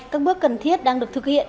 các bước cần thiết đang được thực hiện